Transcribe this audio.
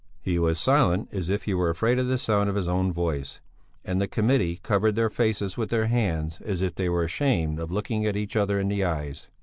'" He was silent as if he were afraid of the sound of his own voice, and the Committee covered their faces with their hands as if they were ashamed of looking each other in the eyes.